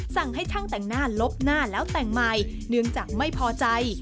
สั่งให้ช่างแต่งหน้าลบหน้าแล้วแต่งใหม่เนื่องจากไม่พอใจ